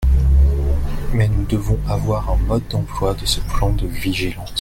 Mais nous devons avoir un mode d’emploi de ce plan de vigilance.